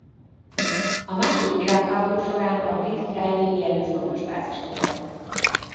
A második világháború során a Brit Királyi Légierő fontos bázisa volt.